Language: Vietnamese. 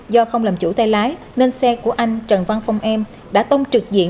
do không làm chủ tay lái nên xe của anh trần văn phong em đã tông trực diện